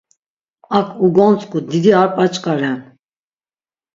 Ak ugontzǩu didi ar p̌aç̌ǩa ren.